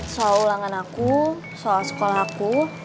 soal ulangan aku soal sekolah aku